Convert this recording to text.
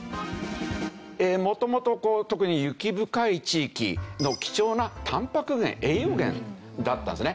元々特に雪深い地域の貴重なタンパク源栄養源だったんですね。